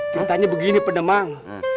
ceritanya begini pendemang